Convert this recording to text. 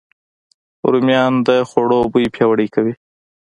رومیان د خوړو بوی پیاوړی کوي